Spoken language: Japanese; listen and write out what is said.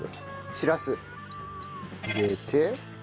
しらす入れて。